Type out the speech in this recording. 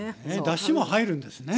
だしも入るんですね。